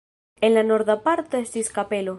En la norda parto estis kapelo.